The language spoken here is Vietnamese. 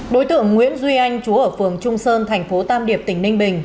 đối tượng nguyễn duy anh chú ở phường trung sơn thành phố tam điệp tỉnh ninh bình